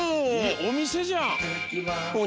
おみせじゃん！